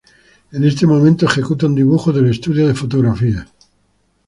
En este momento ejecuta un dibujo del estudio de fotografía.